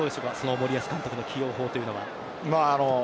森保監督の起用法というのは。